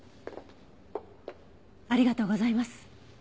ありがとうございます。